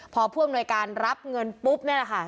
พอผู้อำนวยการรับเงินปุ๊บนี่แหละค่ะ